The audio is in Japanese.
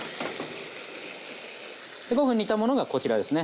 ５分煮たものがこちらですね。